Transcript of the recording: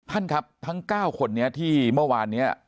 ท่านครับทั้ง๙คนนี้ที่เมื่อวานนี้